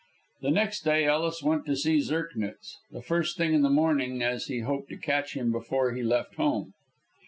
The next day Ellis went to see Zirknitz, the first thing in the morning, as he hoped to catch him before he left home.